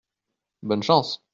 Bonne chance !